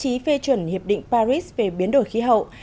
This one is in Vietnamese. pháp đồng ý phê chuẩn hiệp định paris về biến đổi khí hậu